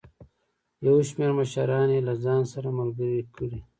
یو شمېر مشران یې له ځان سره ملګري کړي.